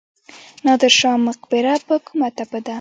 نادر شاه مقبره په کومه تپه ده؟